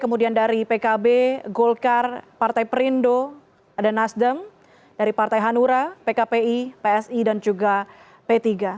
yang hadir ada pdip pkb golkar partai perindo nasdem partai hanura pkpi psi dan juga p tiga